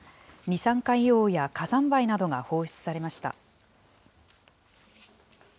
二酸化硫黄や火山灰などが放出されました。